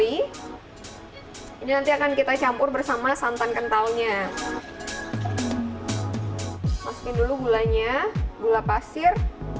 ini nanti akan kita campur bersama santan kentalnya masukin dulu gulanya gula pasir